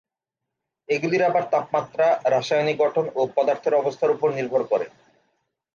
এগুলির আবার তাপমাত্রা, রাসায়নিক গঠন ও পদার্থের অবস্থার উপর নির্ভর করে।